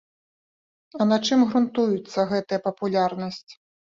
А на чым грунтуецца гэтая папулярнасць?